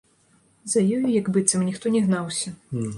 За ёю як быццам ніхто не гнаўся.